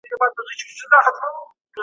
چاپیریال د حیواناتو د ژوند لپاره اړین دی.